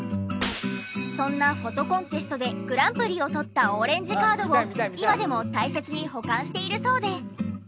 そんなフォトコンテストでグランプリを取ったオレンジカードを今でも大切に保管しているそうで。